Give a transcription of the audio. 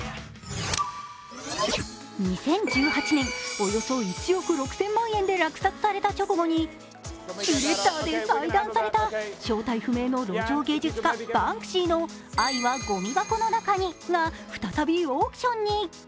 ２０１８年、およそ１億６０００万円で落札された直後にシュレッダーで細断された、正体不明の路上芸術家、バンクシーの「愛はごみ箱の中に」が再びオークションに。